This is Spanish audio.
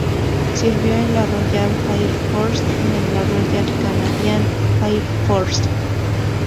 Sirvió en la Royal Air Force y en la Royal Canadian Air Force.